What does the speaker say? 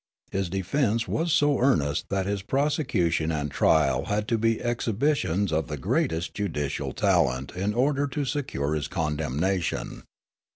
His defence was so earnest that his prosecution and trial had to be exhibitions of the greatest judicial talent in order to secure his condemnation.